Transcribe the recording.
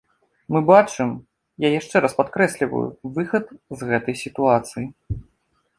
Мы бачым, я яшчэ раз падкрэсліваю, выхад з гэтай сітуацыі.